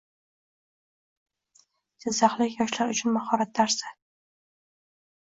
Jizzaxlik yoshlar uchun mahorat darsing